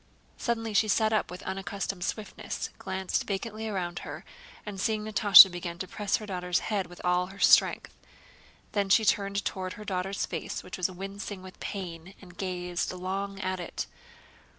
Suddenly she sat up with unaccustomed swiftness, glanced vacantly around her, and seeing Natásha began to press her daughter's head with all her strength. Then she turned toward her daughter's face which was wincing with pain and gazed long at it.